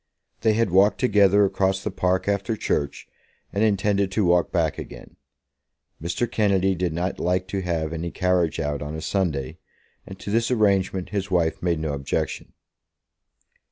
They had walked together across the park after church, and intended to walk back again. Mr. Kennedy did not like to have any carriage out on a Sunday, and to this arrangement his wife made no objection.